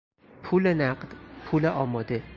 پول نقد، پول آماده